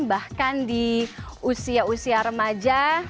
bahkan di usia usia remaja